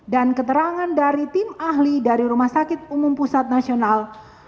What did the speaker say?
keterangan dari tim ahli dari rumah sakit umum pusat nasional